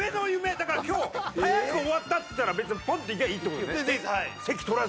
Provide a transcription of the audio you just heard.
だから今日早く終わったっつったら別にポンって行きゃいいって事ですね？